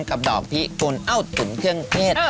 กับดอกพิกุลเอ้าตุ๋นเครื่องเทศ